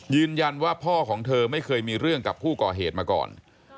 พ่อของเธอไม่เคยมีเรื่องกับผู้ก่อเหตุมาก่อน